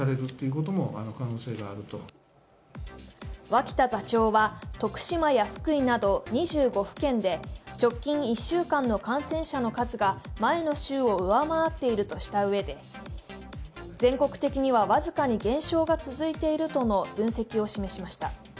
脇田座長は徳島や福井など２５府県で直近１週間の感染者の数が前の週を上回っているとしたうえで全国的には僅かに減少が続いているとの分析を示しました。